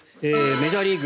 メジャーリーグ